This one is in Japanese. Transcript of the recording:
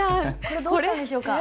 これどうしたんでしょうか？